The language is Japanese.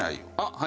はい。